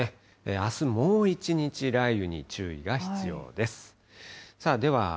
あす、もう１日雷雨に注意が必要です。